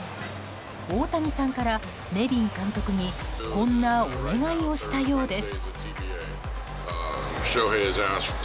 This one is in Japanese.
大谷さんからネビン監督にこんなお願いをしたようです。